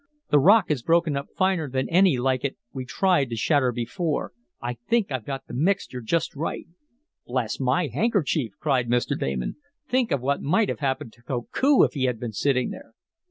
The rock is broken up finer than any like it we tried to shatter before. I think I've got the mixture just right!" "Bless my handkerchief!" cried Mr. Damon. "Think of what might have happened to Koku if he had been sitting there."